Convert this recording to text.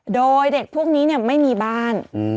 โดยเด็กพวกนี้ไม่มีบ้าน